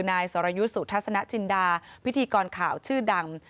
นายสรยุทธ์สุทัศนจินดาพิธีกรข่าวชื่อดัง